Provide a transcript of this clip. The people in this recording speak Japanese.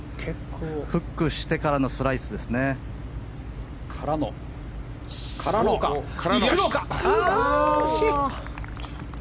フックしてからのスライスですね。からの惜しい！